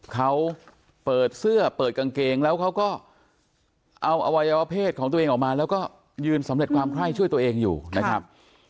เขาเปิดเสื้อเปิดกางเกงแล้วเขาก็เอาอวัยวะเพศของตัวเองออกมาแล้วก็ยืนสำเร็จความไข้ช่วยตัวเองอยู่นะครับ